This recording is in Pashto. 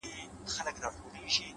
• له مرګي یې وو اوزګړی وېرولی ,